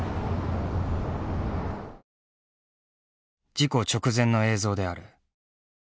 事故直前の映像である。